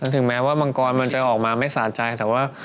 ถึงแม้ว่ามังกรมันจะออกมาไม่สะใจแต่ว่า